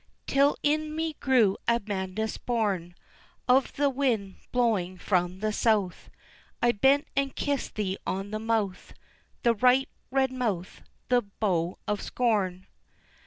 Till in me grew a madness born Of the wind blowing from the south, I bent and kissed thee on the mouth, The ripe, red mouth the bow of scorn.